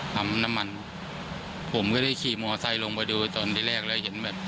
ทำน้ำมันผมก็ได้ขี่มอไซค์ลงไปดูตอนที่แรกแล้วเห็นแบบ